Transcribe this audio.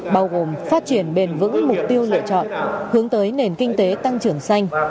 bao gồm phát triển bền vững mục tiêu lựa chọn hướng tới nền kinh tế tăng trưởng xanh